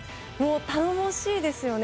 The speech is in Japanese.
頼もしいですよね。